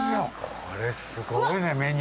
これすごいねメニュー。